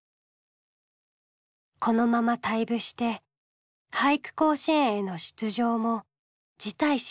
このまま退部して俳句甲子園への出場も辞退しようと思っていた。